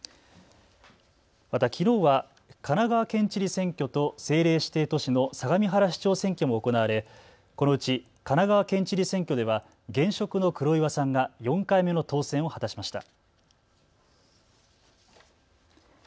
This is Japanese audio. またきのうは神奈川県知事選挙と政令指定都市の相模原市長選挙も行われ、このうち、神奈川県知事選挙では、現職の黒岩さんが４回目の当選を果たしました。